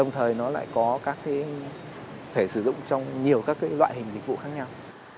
thẻ sử dụng trong nhiều các loại hình dịch vụ khác nhau